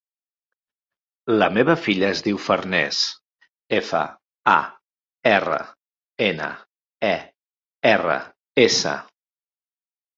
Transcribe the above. La meva filla es diu Farners: efa, a, erra, ena, e, erra, essa.